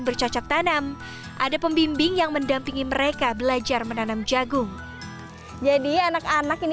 bercocok tanam ada pembimbing yang mendampingi mereka belajar menanam jagung jadi anak anak ini